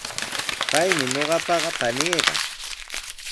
Paymi ñuqaqapa paniiqa.